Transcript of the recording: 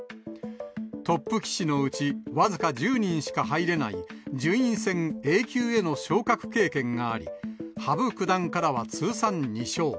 トップ棋士のうち、僅か１０人しか入れない順位戦Ａ級への昇格経験があり、羽生九段からは通算２勝。